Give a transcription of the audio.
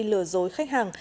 lừa dối khách hàng